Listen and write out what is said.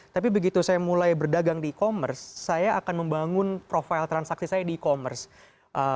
tapi begitu saya mulai berdagang di e commerce saya akan membangun profile transaksi saya di e commerce